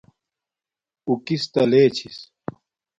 اُو کس تا لے چھس